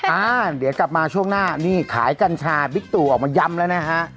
อ่าเดี๋ยวกลับมาช่วงหน้านี่ขายกัญชาบิ๊กตู่ออกมาย้ำแล้วนะฮะ